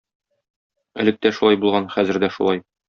Элек тә шулай булган, хәзер дә шулай...